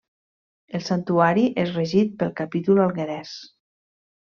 El santuari és regit pel capítol alguerès.